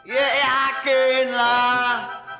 ya yakin lah